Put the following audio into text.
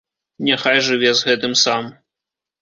Няхай жыве з гэтым сам.